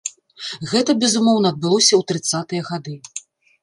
Гэта, безумоўна, адбылося ў трыццатыя гады.